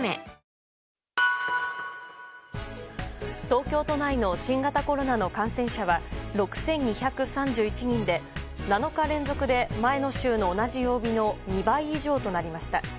東京都内の新型コロナの感染者は６２３１人で７日連続で前の週の同じ曜日の２倍以上となりました。